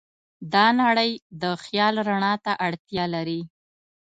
دا نړۍ د خیال رڼا ته اړتیا لري.